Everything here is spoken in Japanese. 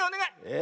え？